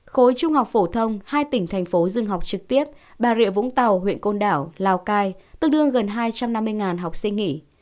khối trung học phổ thông hai tỉnh thành phố dừng học trực tiếp bà rịa vũng tàu huyện côn đảo lào cai tương đương gần hai trăm năm mươi học sinh nghỉ